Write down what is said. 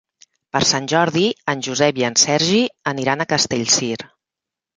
Per Sant Jordi en Josep i en Sergi aniran a Castellcir.